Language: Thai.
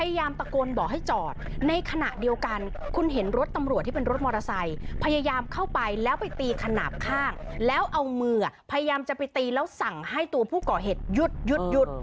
ตะโกนบอกให้จอดในขณะเดียวกันคุณเห็นรถตำรวจที่เป็นรถมอเตอร์ไซค์พยายามเข้าไปแล้วไปตีขนาดข้างแล้วเอามือพยายามจะไปตีแล้วสั่งให้ตัวผู้ก่อเหตุหยุดหยุด